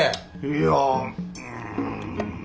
いやうん。